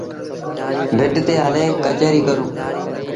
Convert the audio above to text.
ڀٽ تي هلي ڪچهريٚ ڪرون۔